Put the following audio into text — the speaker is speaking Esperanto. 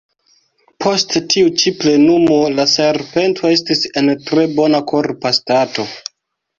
Post tiu ĉi plenumo la serpento estis en tre bona korpa stato.